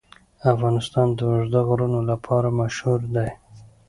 افغانستان د اوږده غرونه لپاره مشهور دی.